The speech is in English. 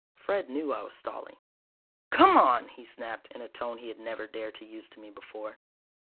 Fred knew I was stalling. "Come on," he snapped in a tone he had never dared to use to me before.